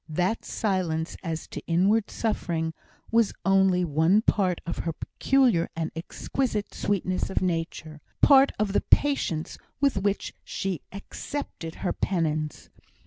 That silence as to inward suffering was only one part of her peculiar and exquisite sweetness of nature; part of the patience with which she "accepted her penance."